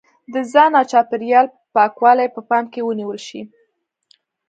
د ځان او چاپېریال پاکوالی په پام کې ونیول شي.